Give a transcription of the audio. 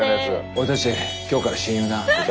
「俺たち今日から親友な」って。